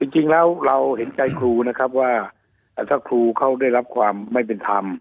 จริงแล้วเราเห็นใจครูนะครับว่าถ้าครูเขาได้รับความไม่เป็นธรรม